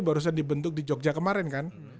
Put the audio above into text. barusan dibentuk di jogja kemarin kan